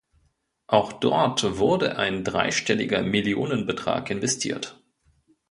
Auch dort wurde ein dreistelliger Millionenbetrag investiert.